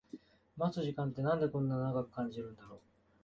待つ時間ってなんでこんな長く感じるんだろう